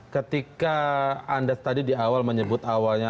ketika anda tadi di awal menyebut awalnya apa urusannya ini